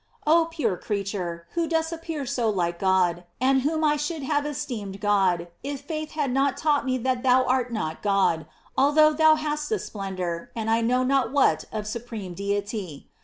Oh pure creature, who dost appear so like God, and whom I should have esteemed God, if faith had not taught me that thou art not God, although thou hast a splendor and I know not what of supreme Deity!